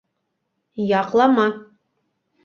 Яҡлама.